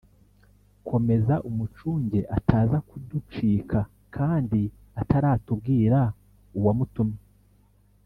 komeza umucunge ataza kuducika kandi ataratubwira uwa mutumye